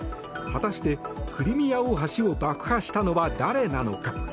果たして、クリミア大橋を爆破したのは誰なのか。